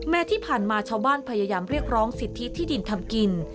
ที่ผ่านมาชาวบ้านพยายามเรียกร้องสิทธิที่ดินทำกิน